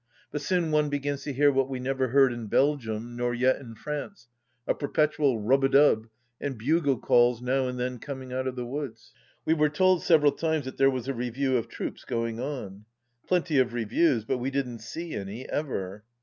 But soon one begins to hear what we never heard in Belgium nor yet in France, a per petual "Rub a Dub !" and bugle calls now and then coming out of the woods. We were told several times that there was a review of troops going on. Plenty of reviews, but we didn't see any, ever